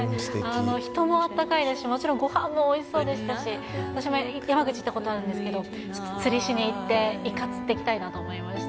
人も温かいですし、もちろんごはんもおいしそうでしたし、私も山口行ったことあるんですけど、釣りしに行って、イカ釣ってきたいなと思いました。